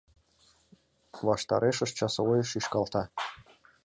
Ваштарешышт часовой шӱшкалта.